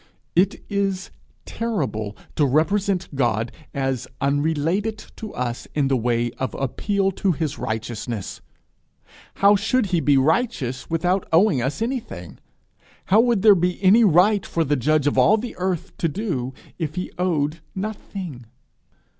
It is terrible to represent God as unrelated to us in the way of appeal to his righteousness. How should he be righteous without owing us anything? How would there be any right for the judge of all the earth to do if he owed nothing?